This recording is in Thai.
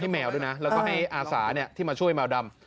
ให้แมวดูนะแล้วเท่านี้อาสาที่มาช่วยแมวดำ